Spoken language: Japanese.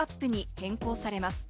変更されます。